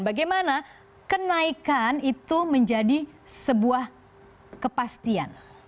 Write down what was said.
bagaimana kenaikan itu menjadi sebuah kepastian